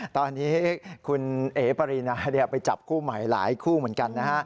ตอนนี้คุณเอ๋ปรีนาไปจับคู่ใหม่หลายคู่เหมือนกันนะฮะ